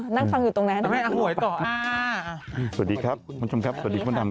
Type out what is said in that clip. นั่งฟังอยู่ตรงนั้น